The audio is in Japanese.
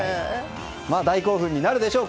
大興奮になるでしょう。